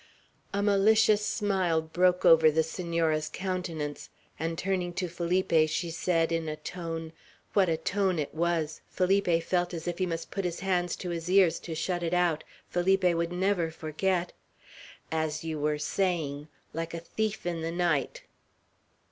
A malicious smile broke over the Senora's countenance, and turning to Felipe, she said in a tone what a tone it was! Felipe felt as if he must put his hands to his ears to shut it out; Felipe would never forget, "As you were saying, like a thief in the night!"